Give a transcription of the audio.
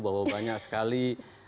bahwa banyak sekali